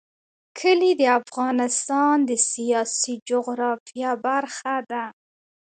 کلي د افغانستان د سیاسي جغرافیه برخه ده.